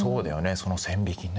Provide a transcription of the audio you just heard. その線引きね。